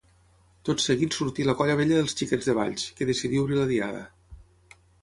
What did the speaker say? Tot seguit sortí la Colla Vella dels Xiquets de Valls, que decidí obrir la diada.